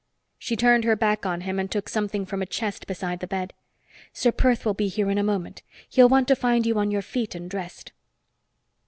She turned her back on him and took something from a chest beside the bed. "Ser Perth will be here in a moment. He'll want to find you on your feet and dressed."